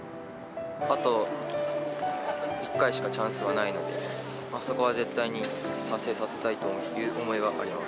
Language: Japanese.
あと１回しかチャンスがないので、そこは絶対に達成させたいという思いはあります。